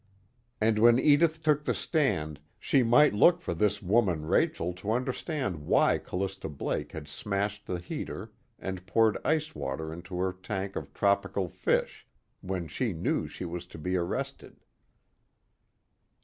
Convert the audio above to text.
And when Edith took the stand, she might look for this woman Rachel to understand why Callista Blake had smashed the heater and poured ice water into her tank of tropical fish when she knew she was to be arrested.